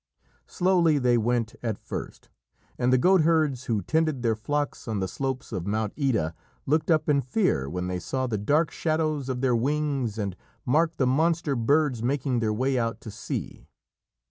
Slowly they went at first, and the goat herds who tended their flocks on the slopes of Mount Ida looked up in fear when they saw the dark shadows of their wings and marked the monster birds making their way out to sea.